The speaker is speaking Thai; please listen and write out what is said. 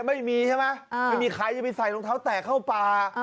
ไม่มีใช่ไหมไม่มีใครจะไปใส่รองเท้าแตกเข้าป่า